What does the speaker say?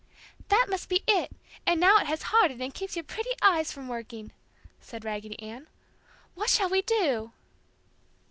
"That must be it, and now it has hardened and keeps your pretty eyes from working!" said Raggedy Ann. "What shall we do?"